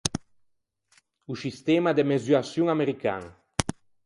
O scistema de mesuaçion american.